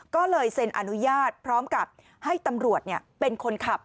ก็เลยเซ็นอนุญาตพร้อมกับให้ตำรวจเป็นคนขับ